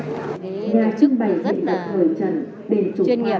tổ chức rất là chuyên nghiệp